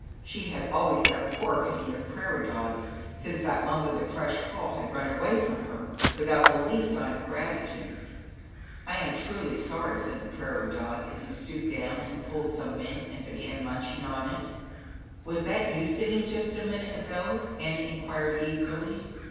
She had always had a poor opinion of prairie dogs since that one with the crushed paw had run away from her, without the least sign of gratitude. .^J "I am truly sorry," said the prairie dog, as he stooped down and pulled some mint and began munching it. "Was that you singing just a minute ago?" Annie enquired eagerly.